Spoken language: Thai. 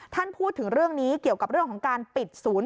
ท่านพูดถึงเรื่องนี้เกี่ยวกับเรื่องของการปิดศูนย์